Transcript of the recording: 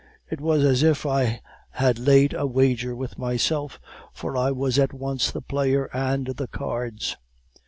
It was as if I had laid a wager with myself, for I was at once the player and the cards.